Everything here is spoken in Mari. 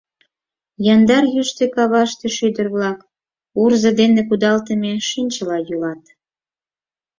Яндар йӱштӧ каваште шӱдыр-влак урзо дене кудалтыме чинчыла йӱлат.